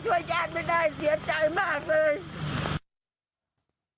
ช่วยแจกไม่ได้เสียใจมากเลย